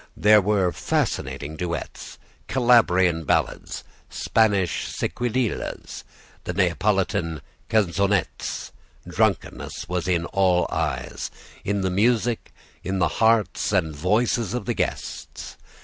There were fascinating duets, Calabrian ballads, Spanish sequidillas, and Neapolitan canzonettes. Drunkenness was in all eyes, in the music, in the hearts and voices of the guests.